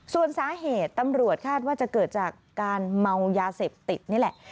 ส่วนสาเหตุตำรวจคาดว่าจะเกิดจากการเมายาเสพติดนี่แหละ